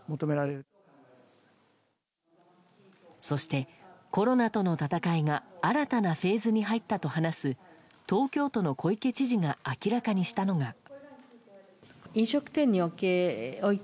そして、コロナとの闘いが新たなフェーズに入ったと話す東京都の小池都知事が明らかにしたのが。